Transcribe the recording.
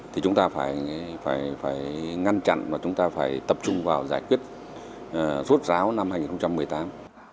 thì chúng ta phải ngăn chặn và chúng ta phải tập trung vào giải quyết rốt ráo năm hai nghìn một mươi tám